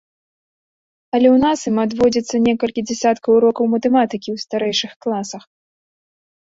Але ў нас ім адводзіцца некалькі дзясяткаў урокаў матэматыкі ў старэйшых класах.